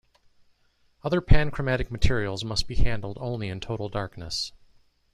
Other panchromatic materials must be handled only in total darkness.